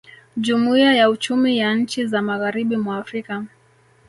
Jumuiya ya Uchumi ya Nchi za Magharibi mwa Afrika